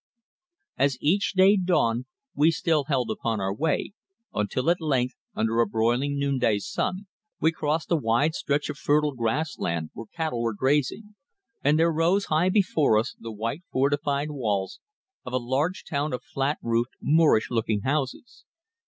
As each day dawned we still held upon our way, until at length, under a broiling noon day sun, we crossed a wide stretch of fertile grass land where cattle were grazing, and there rose high before us the white fortified walls of a large town of flat roofed Moorish looking houses.